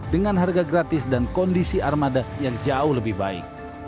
dengan harga gratis dan kondisi armada yang jauh lebih baik